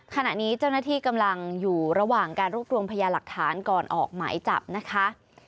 ขณะนี้เจ้าหน้าที่กำลังอยู่ระหว่างการรวบรวมพยาหลักฐานก่อนออกหมายจับนะคะ